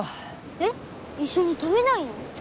えっ一緒に食べないの？